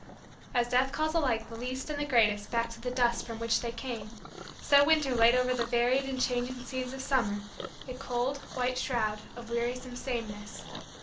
As death calls alike the least and the greatest back to the dust from which they came, so winter laid over the varied and changing scenes of summer a cold, white, shroud of wearisome sameness.